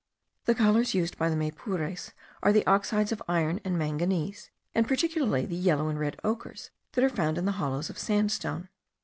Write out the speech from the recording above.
The colours used by the Maypures are the oxides of iron and manganese, and particularly the yellow and red ochres that are found in the hollows of sandstone.